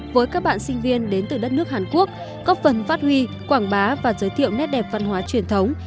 với các bạn sinh viên đến từ đất nước hàn quốc góp phần phát huy quảng bá và giới thiệu nét đẹp văn hóa truyền thống